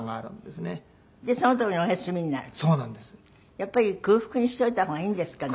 やっぱり空腹にしておいた方がいいんですかね？